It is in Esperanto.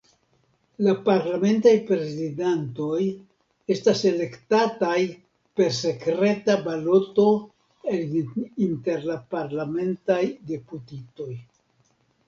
La parlamentaj prezidantoj estas elektataj per sekreta baloto el inter la parlamentaj deputitoj.